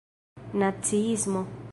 naciismo